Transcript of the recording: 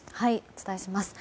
お伝えします。